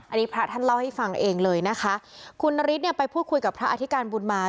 อันนี้พระท่านเล่าให้ฟังเองเลยนะคะคุณนฤทธิเนี่ยไปพูดคุยกับพระอธิการบุญมา